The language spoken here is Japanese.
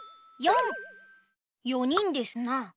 ４にんですな。